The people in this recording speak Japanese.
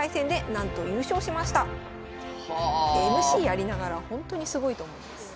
ＭＣやりながらほんとにすごいと思います。